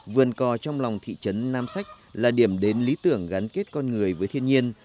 vườn cò trong lòng thị trấn nam sách là điểm đến lý tưởng gắn kết con người với thiên nhiên